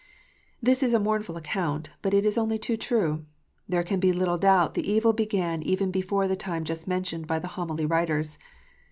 This is a mournful account, but it is only too true. There can be little doubt the evil began even before the time just mentioned by the Homily writers.